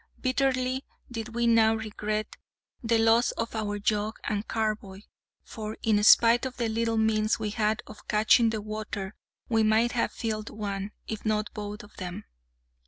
Bitterly did we now regret the loss of our jug and carboy; for, in spite of the little means we had of catching the water, we might have filled one, if not both of them.